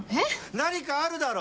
何かあるだろ。